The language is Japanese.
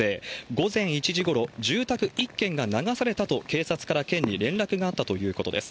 午前１時ごろ、住宅１軒が流されたと、警察から県に連絡があったということです。